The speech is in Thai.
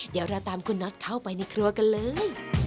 เดี๋ยวเราตามคุณน็อตเข้าไปในครัวกันเลย